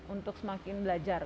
untuk semakin belajar